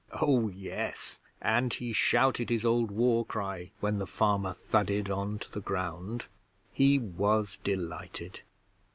'Oh yes, and he shouted his old war cry when the farmer thudded on to the ground. He was delighted.